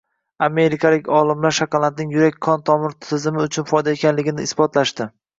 Amerikalik olimlar shokoladning yurak-qon tomir tizimi uchun foydali ekanligini isbotlashdi.